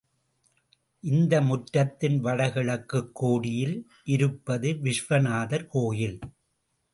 இந்த முற்றத்தின் வடகிழக்குக் கோடியில் இருப்பது விஸ்வநாதர் கோயில்.